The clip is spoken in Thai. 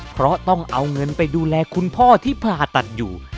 เพราะต้องเอาเงินไปดูแลคุณพ่อที่ผ่าตัดอยู่